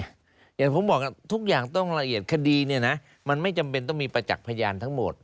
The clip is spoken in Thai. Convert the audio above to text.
อย่างผมบอกทุกอย่างต้องละเอียดคดีเนี่ยนะมันไม่จำเป็นต้องมีประจักษ์พยานทั้งหมด